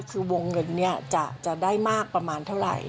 คือวงเงินจะได้มากประมาณเท่าไร